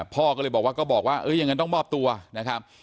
พ่อก็เลยบอกว่าก็บอกว่าอย่างนั้นต้องมอบตัวนะครับ